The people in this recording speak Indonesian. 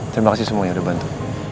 terima kasih semuanya sudah bantu